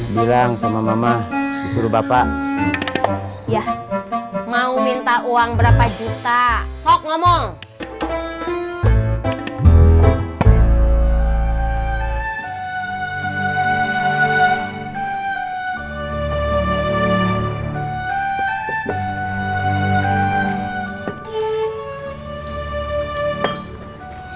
bilang sama mama disuruh bapak ya mau minta uang berapa juta sok ngomong